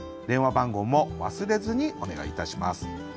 電話番号も忘れずにお願いいたします。